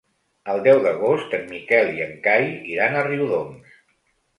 El deu d'agost en Miquel i en Cai iran a Riudoms.